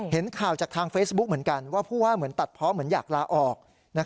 เห็นข่าวจากทางเฟซบุ๊คเหมือนกันว่าผู้ว่าเหมือนตัดเพาะเหมือนอยากลาออก